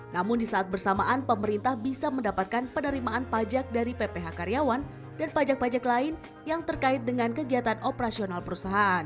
namun di saat bersamaan pemerintah bisa mendapatkan penerimaan pajak dari pph karyawan dan pajak pajak lain yang terkait dengan kegiatan operasional perusahaan